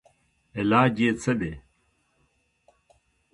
علاج ئې څۀ دے